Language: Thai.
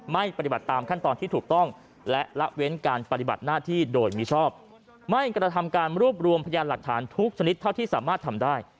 ปฏิบัติตามขั้นตอนที่ถูกต้องและละเว้นการปฏิบัติหน้าที่โดยมิชอบไม่กระทำการรวบรวมพยานหลักฐานทุกชนิดเท่าที่สามารถทำได้